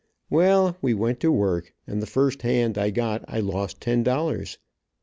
Well, we went to work, and the first hand I got I lost ten dollars.